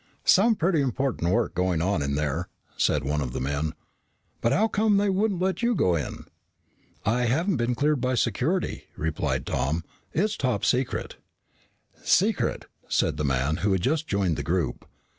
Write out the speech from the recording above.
"Some pretty important work going on in there," said one of the men. "But how come they wouldn't let you go in?" "I haven't been cleared by security," replied Tom. "It's top secret." "Secret," said a man who had just joined the group.